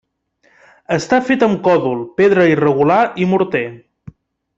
Està fet amb còdol, pedra irregular i morter.